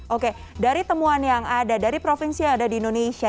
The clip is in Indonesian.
oke dari temuan yang ada dari provinsi yang ada di indonesia